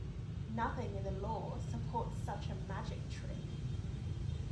Nothing in the law supports such a magic trick.